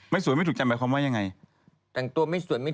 ไม่สวยไม่ถูกใจแปลความว่ายังไง